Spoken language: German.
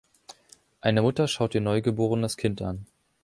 Eine Mutter schaut ihr neugeborenes Kind an.